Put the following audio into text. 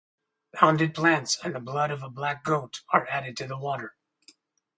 Pounded plants and the blood of a black goat are added to the water.